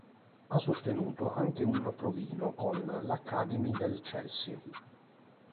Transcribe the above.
Ha sostenuto anche un provino con l"'Academy" del Chelsea.